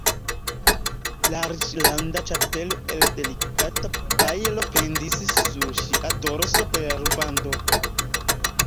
Larĝranda ĉapelo el delikata pajlo pendis sur ŝia dorso per rubando.